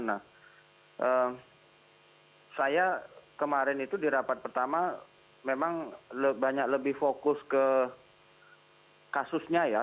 nah saya kemarin itu di rapat pertama memang banyak lebih fokus ke kasusnya ya